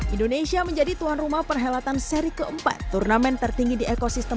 indonesia menjadi tuan rumah perhelatan seri keempat turnamen tertinggi di ekosistem